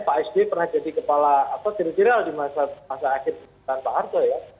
pak sd pernah jadi kepala teritorial di masa akhir tanpa ardua ya